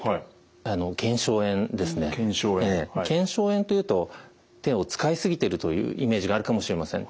腱鞘炎というと手を使い過ぎてるというイメージがあるかもしれません。